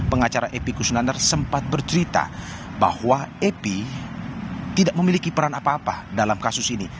pengacara epi kusunandar sempat bercerita bahwa epi tidak memiliki peran apa apa dalam kasus ini